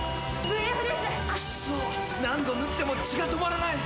・クソッ何度縫っても血が止まらない！